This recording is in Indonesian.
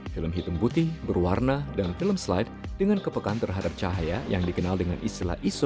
film hitam putih berwarna dan film slide dengan kepekan terhadap cahaya yang dikenal dengan istilah iso